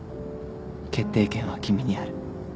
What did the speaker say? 決定権は君にある。